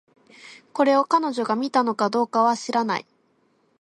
これを、彼女が見たのかどうかは知らない